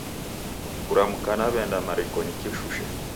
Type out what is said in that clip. Kuramka naw'eenda marikonyi kishushe